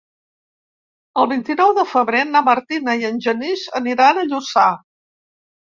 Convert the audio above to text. El vint-i-nou de febrer na Martina i en Genís aniran a Lluçà.